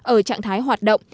ở trạng thái hoạt động